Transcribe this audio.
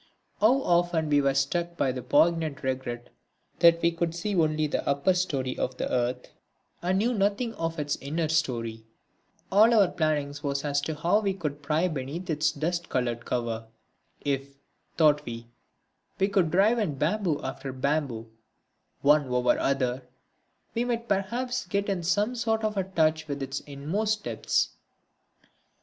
How often were we struck by the poignant regret that we could only see the upper storey of the earth and knew nothing of its inner storey. All our planning was as to how we could pry beneath its dust coloured cover. If, thought we, we could drive in bamboo after bamboo, one over the other, we might perhaps get into some sort of touch with its inmost depths.